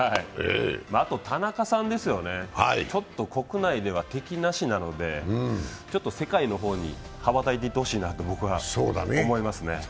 あと、田中さんですよね、国内では敵なしなので世界の方に羽ばたいていってほしいなと、僕は思いますね。